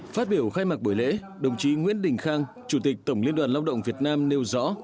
phát biểu khai mạc buổi lễ đồng chí nguyễn đình khang chủ tịch tổng liên đoàn lao động việt nam nêu rõ